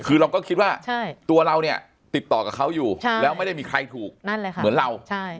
คือเราก็คิดว่าตัวเราเนี่ยติดต่อกับเขาอยู่แล้วไม่ได้มีใครถูกนั่นแหละค่ะเหมือนเรา